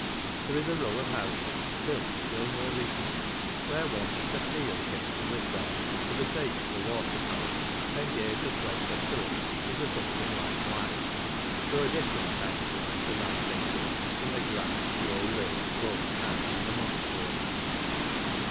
There is a row of houses, built still more recently, where one Mr. Peel came to live there for the sake of the water power, and gave the place a fillip into something like life ; though a diii'ererit kind of life, as I take it, from the grand slow ways folks had when the monks were about.